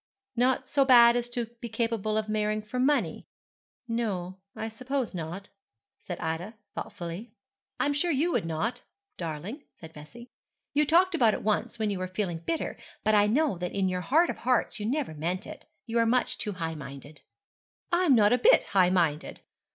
'Not so bad as to be capable of marrying for money no, I suppose not,' said Ida, thoughtfully. 'I'm sure you would not, darling, said Bessie. 'You talked about it once, when you were feeling bitter; but I know that in your heart of hearts you never meant it. You are much too high minded.' 'I am not a bit high minded.